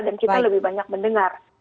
dan kita lebih banyak mendengar